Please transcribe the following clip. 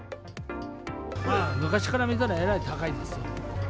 昔から見たら、えらい高いです。